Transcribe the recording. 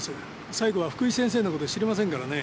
冴子は福井先生のこと知りませんからね。